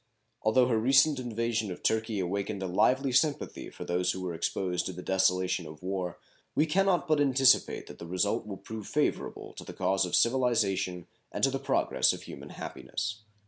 Although her recent invasion of Turkey awakened a lively sympathy for those who were exposed to the desolation of war, we can not but anticipate that the result will prove favorable to the cause of civilization and to the progress of human happiness.